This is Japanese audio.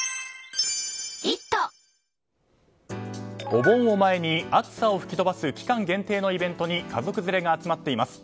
お盆を前に、暑さを吹き飛ばす期間限定のイベントに家族連れが集まっています。